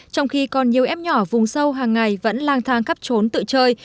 trong khi còn nhiều ép nhỏ vùng sâu hàng ngày vẫn lang thang cắp trốn tự chơi